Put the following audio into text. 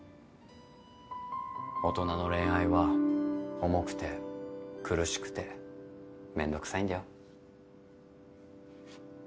大人の恋愛は重くて苦しくてめんどくさいんだよ。